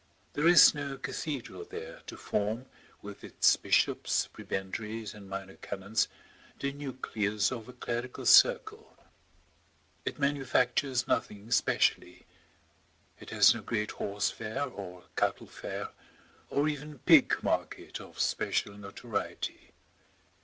There is no cathedral there to form, with its bishops, prebendaries, and minor canons, the nucleus of a clerical circle. It manufactures nothing specially. It has no great horse fair, or cattle fair, or even pig market of special notoriety.